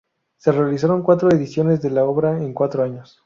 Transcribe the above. Se realizaron cuatro ediciones de la obra en cuatro años.